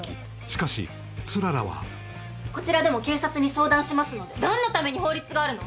しかし氷柱はこちらでも警察に相談しますので何のために法律があるの？